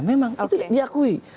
memang itu diakui